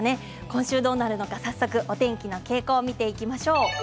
今週どうなるのか、早速お天気の傾向を見ていきましょう。